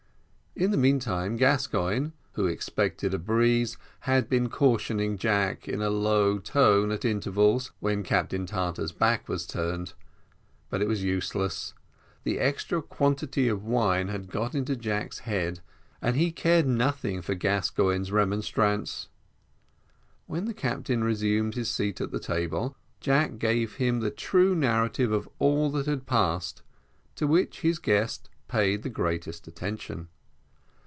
In the meantime, Gascoigne, who expected a breeze, had been cautioning Jack, in a low tone, at intervals, when Captain Tartar's back was turned; but it was useless, the extra quantity of wine had got into Jack's head, and he cared nothing for Gascoigne's remonstrance. When the captain resumed his seat at the table, Jack gave him the true narrative of all that had passed, to which his guest paid the greatest attention.